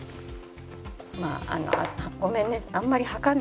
まああのごめんね。